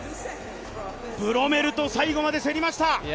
ブロメルと最後まで競りました。